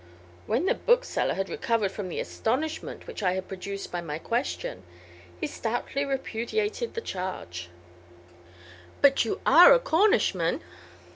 When the bookseller had recovered from the astonishment which I had produced by my question, he stoutly repudiated the charge. "But you are a Cornishman?"